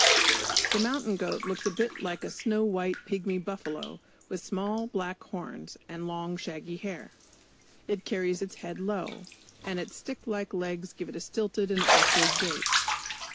The mountain goat looks a bit like a snow white pigmy buffalo with small black horns, and long, shaggy hair. It carries its head low, and its stick like legs give it a stilted and awkward gait.